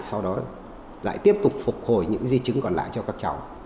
sau đó lại tiếp tục phục hồi những di chứng còn lại cho các cháu